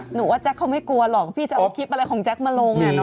หนูว่าแจ๊คเขาไม่กลัวหรอกพี่จะเอาคลิปอะไรของแจ๊คมาลง